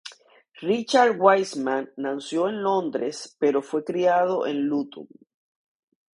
Richard Wiseman nació en Londres pero fue criado en Luton.